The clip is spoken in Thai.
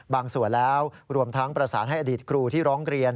ส่วนแล้วรวมทั้งประสานให้อดีตครูที่ร้องเรียน